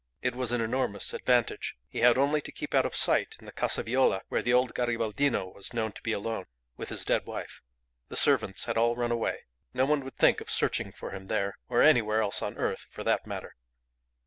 It was an enormous advantage. He had only to keep out of sight in the Casa Viola, where the old Garibaldino was known to be alone with his dead wife. The servants had all run away. No one would think of searching for him there, or anywhere else on earth, for that matter.